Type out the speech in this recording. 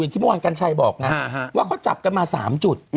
ที่เมื่อวานกัญชัยบอกไงว่าเขาจับกันมา๓จุด